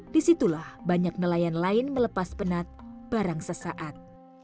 disitulah banyak nelayan lain melepas penat barang sesaat